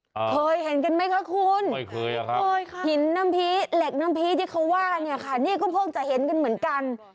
เคยเห็นกันไหมคะคุณไม่เคยอะครับเคยค่ะหินน้ำพีเหล็กน้ำพีที่เขาว่าเนี่ยค่ะนี่ก็เพิ่งจะเห็นกันเหมือนกัน